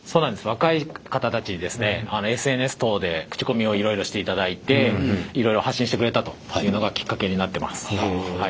若い方たちにですねＳＮＳ等で口コミをいろいろしていただいていろいろ発信してくれたというのがきっかけになってます。